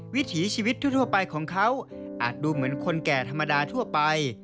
วิถีชีวิตทั่วไปของเขาอาจดูเหมือนคนแก่ธรรมดาทั่วไป